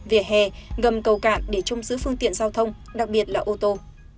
vỉa hè ngầm cầu cạn để trông giữ phương tiện giao thông đặc biệt là ô tô